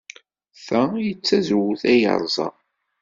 D ta ay d tazewwut ay yerẓa.